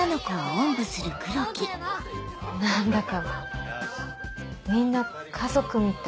何だかみんな家族みたい。